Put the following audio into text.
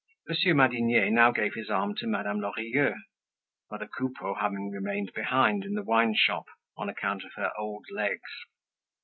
Monsieur Madinier now gave his arm to Madame Lorilleux, mother Coupeau having remained behind in the wineshop on account of her old legs.